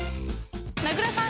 名倉さん